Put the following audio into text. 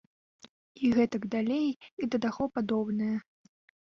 І гэтак далей, і да таго падобнае.